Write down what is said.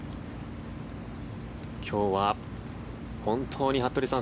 今日は本当に服部さん